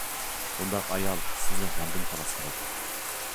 بۇنداق ئايال سىزنى غەمدىن خالاس قىلىدۇ.